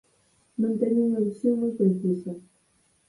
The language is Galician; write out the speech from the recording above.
Non teñen unha visión moi precisa.